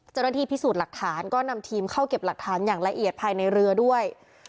เจ้าหน้าที่พิสูจน์หลักฐานก็นำทีมเข้าเก็บหลักฐานอย่างละเอียดภายในเรือด้วย